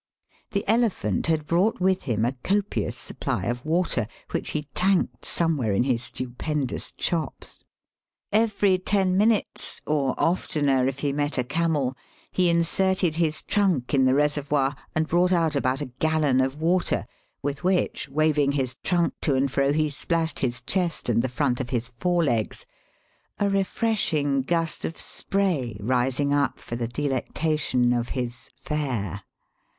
The elephant had brought with him a copious supply of water which he tanked some where in his stupendous chops. Every ten minutes, or offcener if he met a camel, he in serted his trunk in the reservoir and brought out about a gallon of water, with which, waving his trunk to and fro, he splashed his chest and the front of his fore legs, a refreshing gust of spray rising up for the delectation of his *^ fare."